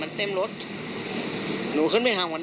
ถ้าเขาถูกจับคุณอย่าลืม